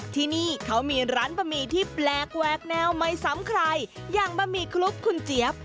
ที่นี่เขามีร้านบะหมี่ที่แปลกแวกแนวไม่ซ้ำใครอย่างบะหมี่คลุกคุณเจี๊ยบ